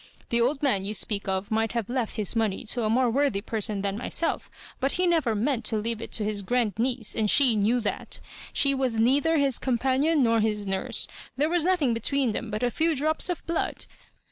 '.' The old man you speak of might have left his money to a more worthy person than myself, but he never meant to leave it to his grand niece; and she knew that She was neither his companion nor his nurse. There was nothing between them but a few drops of blood.